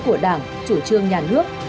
của đảng chủ trương nhà nước